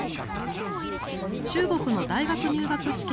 中国の大学入学試験